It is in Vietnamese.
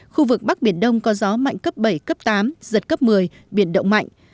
khu vực bắc biển đông có gió mạnh cấp bảy cấp tám giật cấp một mươi biển động mạnh